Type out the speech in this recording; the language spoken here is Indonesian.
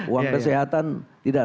uang kesehatan tidak